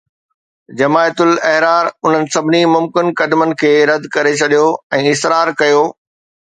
جماعت الاحرار انهن سڀني ممڪن قدمن کي رد ڪري ڇڏيو ۽ اصرار ڪيو